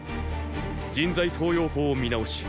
人材登用法を見直し